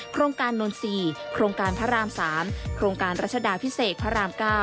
โครงการนนทรีย์โครงการพระราม๓โครงการรัชดาพิเศษพระราม๙